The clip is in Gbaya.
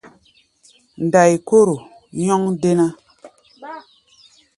Ndai-kóro nyɔ́ŋ déná.